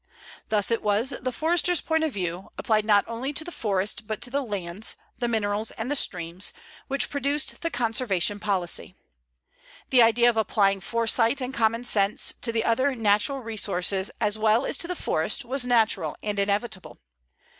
Thus it was the Forester's point of view, applied not only to the forest but to the lands, the minerals, and the streams, which produced the Conservation policy. The idea of applying foresight and common sense to the other natural resources as well as to the forest was natural and inevitable.